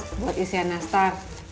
beli nanas buat isian nastar